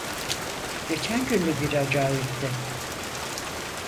Geçen gün de bir acayipti.